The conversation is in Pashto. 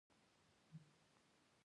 مصنوعي ځیرکتیا د ښوونې فلسفه بدلوي.